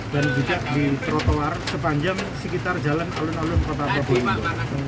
di trotoar sepanjang sekitar jalan alun alun kota probolinggo